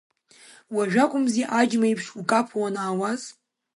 Уажәакәымзи аџьма еиԥш укаԥо уанаауаз?